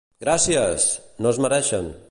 —Gràcies! —No es mereixen!